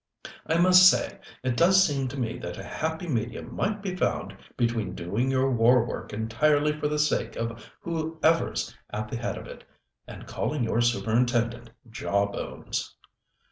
"I must say, it does seem to me that a happy medium might be found between doing your war work entirely for the sake of whoever's at the head of it, and calling your superintendent 'Jawbones.'"